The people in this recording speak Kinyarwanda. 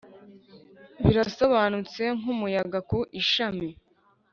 birasobanutse nkumuyaga ku ishami,